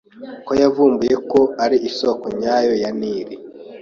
ko yavumbuye ko ari isoko nyayo ya Nili